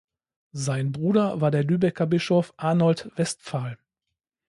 Sein Bruder war der Lübecker Bischof Arnold Westphal.